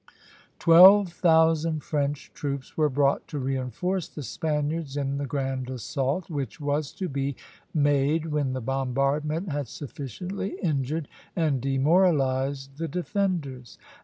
Twelve thousand French troops were brought to reinforce the Spaniards in the grand assault, which was to be made when the bombardment had sufficiently injured and demoralized the defenders.